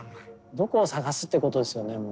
どこを捜すってことですよね。